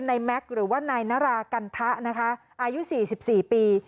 นายแม็กซ์หรือว่านายนารากันทะนะคะอายุสี่สิบสี่ปี